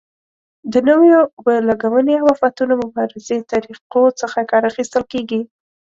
د نویو اوبه لګونې او آفتونو مبارزې طریقو څخه کار اخیستل کېږي.